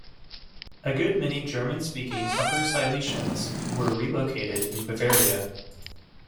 A good many German-speaking Upper Silesians were relocated in Bavaria.